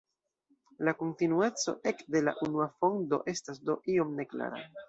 La kontinueco ek de la unua fondo estas do iom neklara.